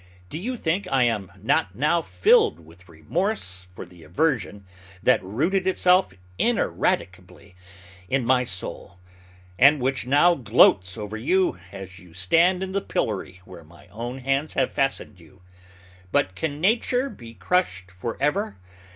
Do you think I am not now filled with remorse for the aversion that rooted itself ineradicably in my soul, and which now gloats over you, as you stand in the pillory where my own hands have fastened you? But can nature be crushed forever?